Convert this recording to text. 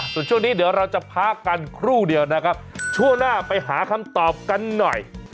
ส่วนช่วงนี้เดี๋ยวเราจะพักกันครู่เดียวนะครับช่วงหน้าไปหาคำตอบกันหน่อย